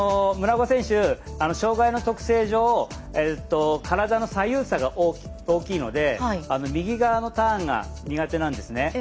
村岡選手、障がいの特性上体の左右差が大きいので右側のターンが苦手なんですね。